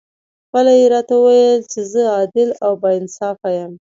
خپله یې راته وویل چې زه عادل او با انصافه یم.